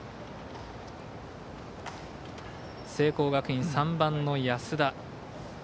聖光学院、３番の安田。